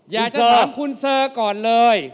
อยากจะถามคุณเซอร์ก่อนเลย